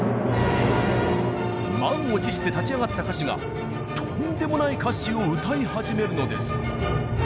満を持して立ち上がった歌手がとんでもない歌詞を歌い始めるのです。